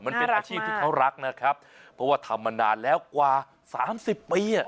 มันเป็นอาชีพที่เขารักนะครับเพราะว่าทำมานานแล้วกว่าสามสิบปีอ่ะ